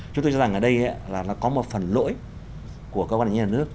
chúng tôi cho rằng ở đây là nó có một phần lỗi của cơ quan nhà nước